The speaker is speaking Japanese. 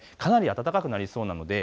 かなり暖かくなりそうです。